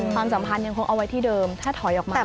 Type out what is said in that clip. ความสัมพันธ์ยังคงเอาไว้ที่เดิมถ้าถอยออกมา